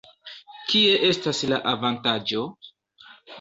Kie estas la avantaĝo?